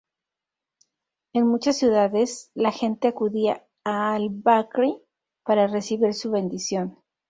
En muchas ciudades la gente acudía a al-Bakri para recibir su bendición.